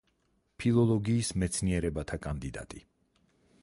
ფილოლოგიის მეცნიერებათა კანდიდატი.